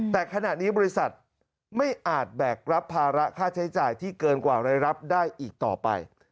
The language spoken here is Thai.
แต่ขณะนี้บริษัทไม่อาจแบกรับภาระค่าใช้จ่ายที่เกินกว่ารายรับได้อีกต่อไป